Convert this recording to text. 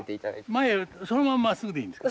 前そのまんままっすぐでいいんですか？